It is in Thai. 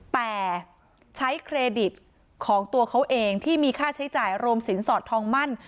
แต่ใช้เครดิตของตัวเขาเองที่มีค่าใช้จ่ายรวมสินสอดทองมั่น